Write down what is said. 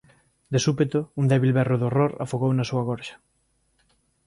De súpeto un débil berro de horror afogou na súa gorxa.